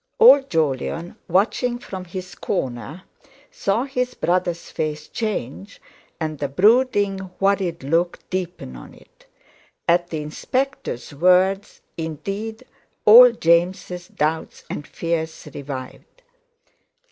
Old Jolyon watching from his corner saw his brother's face change, and the brooding, worried, look deepen on it. At the Inspector's words, indeed, all James' doubts and fears revived.